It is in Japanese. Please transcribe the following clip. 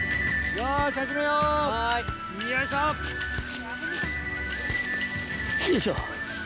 よいしょ。